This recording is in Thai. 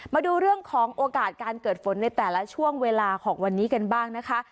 มาดูเรื่องของโอกาสการเกิดฝนในแต่ละช่วงเวลาของวันนี้กันบ้างนะคะ